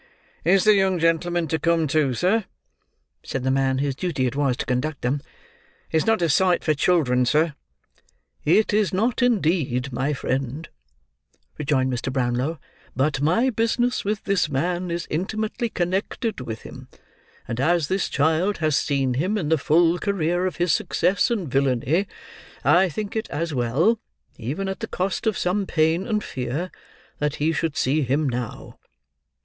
"Is the young gentleman to come too, sir?" said the man whose duty it was to conduct them. "It's not a sight for children, sir." "It is not indeed, my friend," rejoined Mr. Brownlow; "but my business with this man is intimately connected with him; and as this child has seen him in the full career of his success and villainy, I think it as well—even at the cost of some pain and fear—that he should see him now."